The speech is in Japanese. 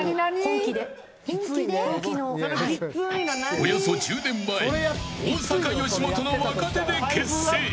およそ１０年前大阪、吉本の若手で結成。